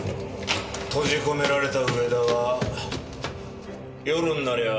閉じ込められた上田は夜になりゃあ